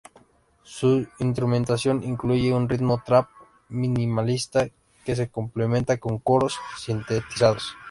Su instrumentación incluye un ritmo "trap" minimalista que se complementa con coros sintetizados.